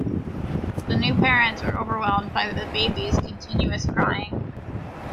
The new parents were overwhelmed by the babies continuous crying.